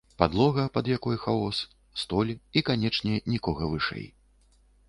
Падлога, пад якой хаос, столь і, канечне, нікога вышэй.